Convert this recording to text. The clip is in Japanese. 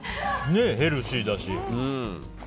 ね、ヘルシーだし。